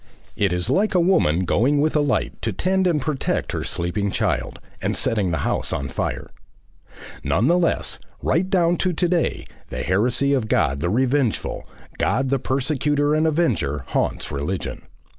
It is like a woman going with a light to tend and protect her sleeping child, and setting the house on fire. None the less, right down to to day, the heresy of God the Revengeful, God the Persecutor and Avenger, haunts religion.